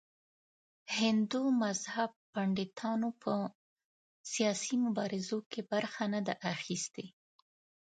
هندو مذهب پنډتانو په سیاسي مبارزو کې برخه نه ده اخیستې.